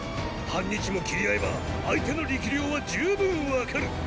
半日も斬り合えば相手の力量は十分分かる。